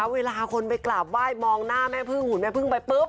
เวลาคนไปกราบไหว้มองหน้าแม่พึ่งหุ่นแม่พึ่งไปปุ๊บ